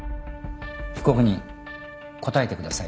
被告人答えてください。